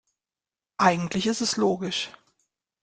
Eigentlich ist es logisch.